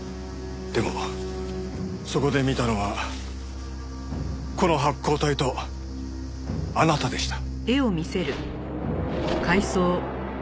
でもそこで見たのはこの発光体とあなたでした。